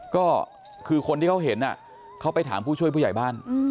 ก็คือคนที่เขาเห็นเขาไปถามผู้ช่วยผู้ใหญ่บ้าน